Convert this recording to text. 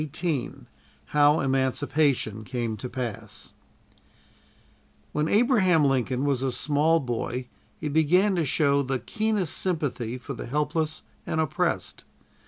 CHAPTER XVIII HOW EMANCIPATION CAME TO PASS When Abraham Lincoln was a small boy he began to show the keenest sympathy for the helpless and oppressed.